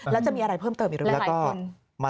แล้วจะมีอะไรเพิ่มเติมอีกหรือเปล่า